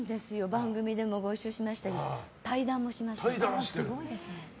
番組でもご一緒しましたし対談もしましたし。